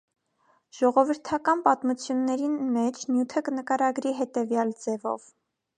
Ժողովրդական պատմութիւններուն մէջ նիւթը կը նկարագրուի հետեւեալ ձեւով։